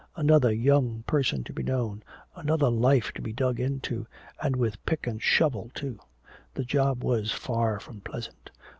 Another young person to be known, another life to be dug into, and with pick and shovel too! The job was far from pleasant.